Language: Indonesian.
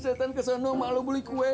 setan kesana malu beli kue